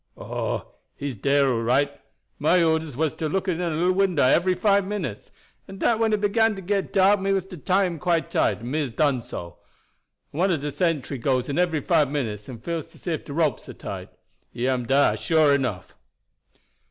"Oh, he's dere all right. My orders was to look in at dat little winder ebery five minutes, and dat when it began to get dark me was to tie him quite tight, and me hab done so. And one of de sentries goes in every five minutes and feels to see if de ropes are tight. He am dar, sure enough."